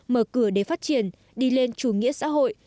mở cửa để phát triển đi lên chủ nghĩa xã hội